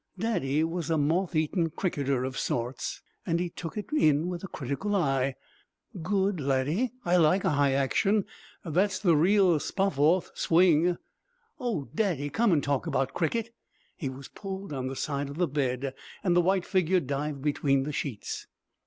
Daddy was a moth eaten cricketer of sorts, and he took it in with a critical eye. "Good, Laddie. I like a high action. That's the real Spofforth swing." "Oh, Daddy, come and talk about cricket!" He was pulled on the side of the bed, and the white figure dived between the sheets.